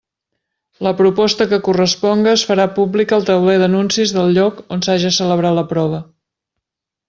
La proposta que corresponga es farà pública al tauler d'anuncis del lloc on s'haja celebrat la prova.